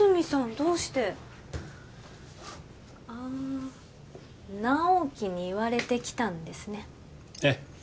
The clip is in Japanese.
どうしてああ直木に言われて来たんですねええ